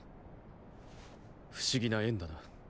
不思議な縁だな。